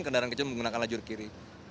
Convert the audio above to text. kendaraan kecil menggunakan lajur kiri